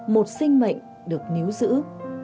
một sinh mệnh được níu giữ